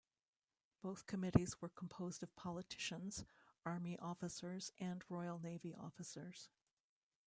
Both committees were composed of politicians, army officers and Royal Navy officers.